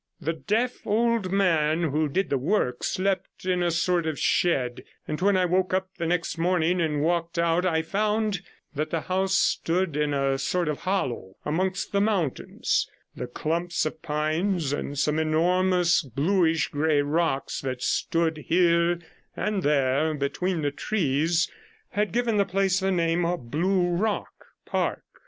The deaf old man who did the work slept in a sort of shed, and when I woke up the next morning and walked out I found that the house stood in a sort of hollow amongst the mountains; the clumps of pines and some enormous bluish grey rocks that stood here 24 and there between the trees had given the place the name of Blue Rock Park.